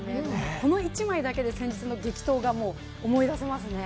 この１枚だけで先日の激闘が思い出せますね。